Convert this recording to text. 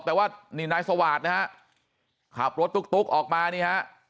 แต่ว่านี่นายสวาสนะฮะขับรถตุ๊กออกมานี่ฮะ